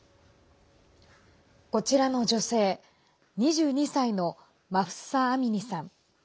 こちらの女性２２歳のマフサ・アミニさん。